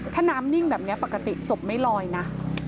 ถ้าน้ำนิ่งแบบนี้ปกติศพไม่ลอยนะ